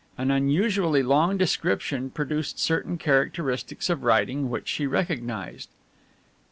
An unusually long description produced certain characteristics of writing which she recognized.